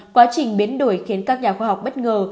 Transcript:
quá trình biến đổi khiến các nhà khoa học bất ngờ